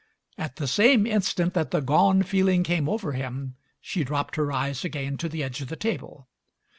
At the same instant that the gone feeling came over him she dropped her eyes again to the edge of the table.